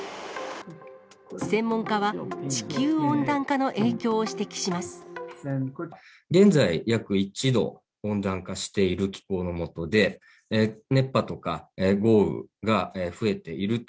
専門家は、現在、約１度、温暖化している気候の下で、熱波とか豪雨が増えていると。